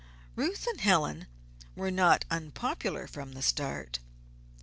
Ruth and Helen were not unpopular from the start.